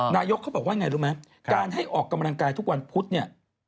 นายกเขาบอกว่าไงรู้ไหมการให้ออกกำลังกายทุกวันพุธเนี่ย